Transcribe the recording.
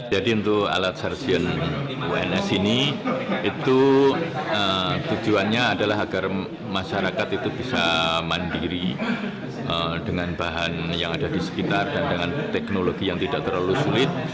jadi untuk alat sarsion wns ini itu tujuannya adalah agar masyarakat itu bisa mandiri dengan bahan yang ada di sekitar dan dengan teknologi yang tidak terlalu sulit